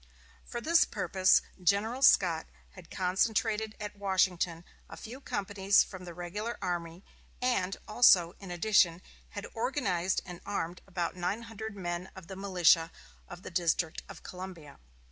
For this purpose General Scott had concentrated at Washington a few companies from the regular army, and also, in addition, had organized and armed about nine hundred men of the militia of the District of Columbia.